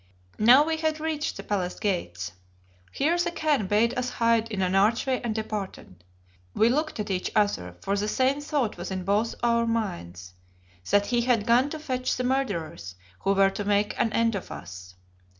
Now we had reached the palace gates. Here the Khan bade us hide in an archway and departed. We looked at each other, for the same thought was in both our minds that he had gone to fetch the murderers who were to make an end of us.